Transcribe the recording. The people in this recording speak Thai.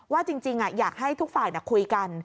จริงอยากให้ทุกฝ่ายคุยกัน